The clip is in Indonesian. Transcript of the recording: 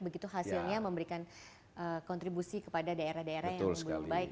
begitu hasilnya memberikan kontribusi kepada daerah daerah yang belum baik